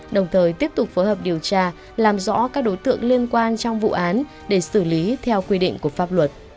đồng thời tiếp tục phối hợp điều tra làm rõ các đối tượng liên quan trong vụ án để xử lý theo quy định của pháp luật